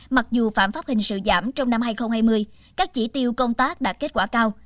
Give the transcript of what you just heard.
mặc dù phản pháp hình sự giảm trong năm hai nghìn hai mươi các chỉ tiêu công tác đạt kết quả cao